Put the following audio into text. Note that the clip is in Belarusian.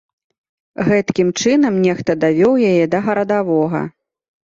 Гэткім чынам нехта давёў яе да гарадавога.